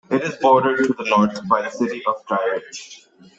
It is bordered to the north by the city of Dry Ridge.